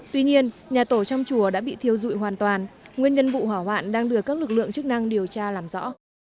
tuy nhiên nhà tổ trong chùa đã bị thiêu dụi hoàn toàn nguyên nhân vụ hỏa hoạn đang được các lực lượng chức năng điều tra làm rõ